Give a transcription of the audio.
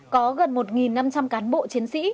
có gần một năm trăm linh cán bộ chiến sĩ